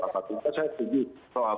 saya setuju soal itu